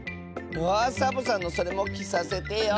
あサボさんのそれもきさせてよ。